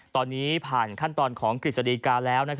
ตอนนี้ผ่านขั้นตอนของกฤษฎีกาแล้ว